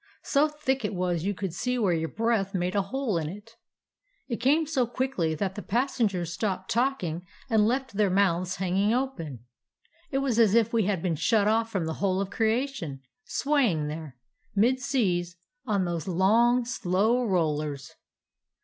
So thick it was you could see where your breath made a hole in it. It came so quickly that the pas sengers stopped talking and left their mouths hanging open. It was as if we had been shut off from the whole of creation, swaying there, mid seas, on those long, slow rollers.